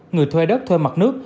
người thuê đất thuê mặt nước